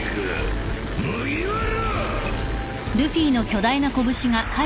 麦わらあ！